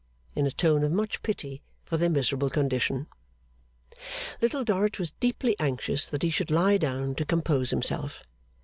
in a tone of much pity for their miserable condition. Little Dorrit was deeply anxious that he should lie down to compose himself.